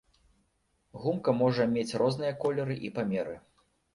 Гумка можа мець розныя колеры і памеры.